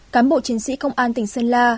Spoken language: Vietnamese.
cán bộ chiến sĩ công an tỉnh sơn la